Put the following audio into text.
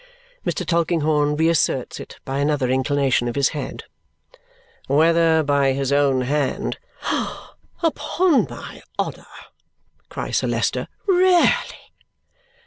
Mr. Tulkinghorn re asserts it by another inclination of his head. "Whether by his own hand " "Upon my honour!" cries Sir Leicester. "Really!"